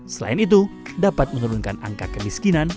selain itu dapat menurunkan angka kemiskinan